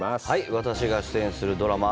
私が出演するドラマ